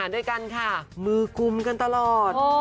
ด้วยกันค่ะมือกุมกันตลอด